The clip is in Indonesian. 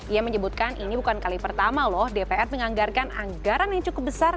ia menyebutkan ini bukan kali pertama loh dpr menganggarkan anggaran yang cukup besar